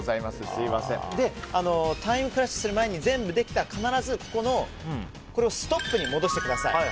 タイムクラッシュする前に全部できたら必ず、これをストップに戻してください。